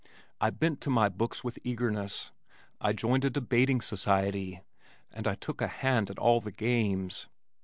I bent to my books with eagerness, I joined a debating society, and I took a hand at all the games.